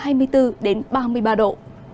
hãy đăng ký kênh để ủng hộ kênh của mình nhé